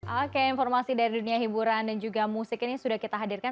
oke informasi dari dunia hiburan dan juga musik ini sudah kita hadirkan